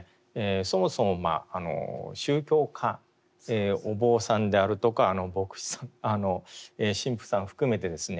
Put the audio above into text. そもそも宗教家お坊さんであるとか牧師さん神父さん含めてですね